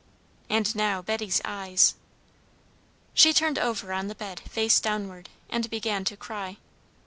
And now Betty's eyes " She turned over on the bed, face downward, and began to cry.